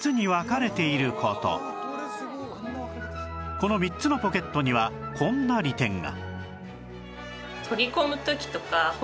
この３つのポケットにはこんな利点が